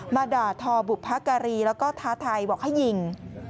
ด่าทอบุพการีแล้วก็ท้าทายบอกให้ยิง